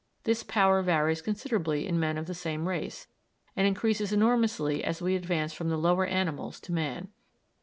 This power varies considerably in men of the same race, and increases enormously as we advance from the lower animals to man.